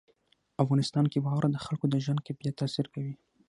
افغانستان کې واوره د خلکو د ژوند کیفیت تاثیر کوي.